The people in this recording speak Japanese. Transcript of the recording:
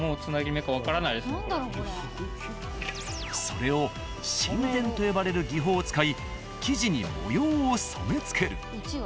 それを浸染と呼ばれる技法を使い生地に模様を染め付ける。